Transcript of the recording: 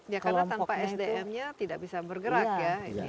ya karena tanpa sdm nya tidak bisa bergerak ya